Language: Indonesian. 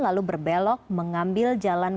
lalu berbelok mengambil jalan